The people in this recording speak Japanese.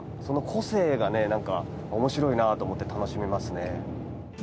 その個性がねなんかおもしろいなと思って楽しめますね。